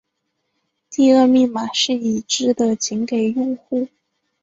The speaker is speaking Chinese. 第二密码是已知的仅给用户。